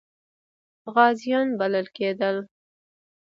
غازیان بلل کېدل.